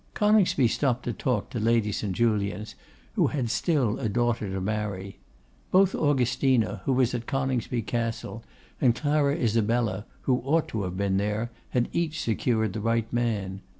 Coningsby stopped to speak to Lady St. Julians, who had still a daughter to marry. Both Augustina, who was at Coningsby Castle, and Clara Isabella, who ought to have been there, had each secured the right man.